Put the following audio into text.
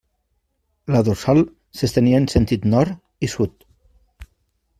La dorsal s'estenia en sentit nord i sud.